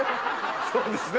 そうですね